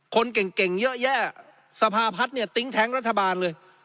คนเก่งเยอะแยะสภาพัฒน์เนี่ยติ๊งแท้งรัฐบาลเลย